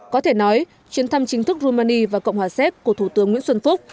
có thể nói chuyến thăm chính thức rumani và cộng hòa séc của thủ tướng nguyễn xuân phúc